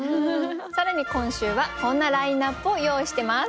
更に今週はこんなラインナップを用意してます。